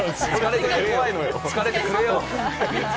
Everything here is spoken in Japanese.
疲れてくれよ。